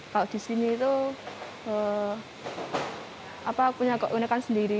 kalau di sini itu punya keunikan sendiri